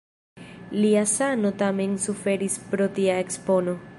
Lia sano tamen suferis pro tia ekspono.